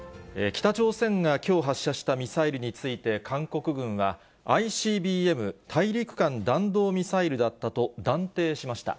北朝鮮がきょう発射したミサイルについて、韓国軍は、ＩＣＢＭ・大陸間弾道ミサイルだったと断定しました。